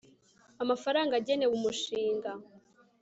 amafaranga agenewe umushinga